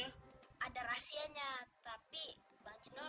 amin ya tuhan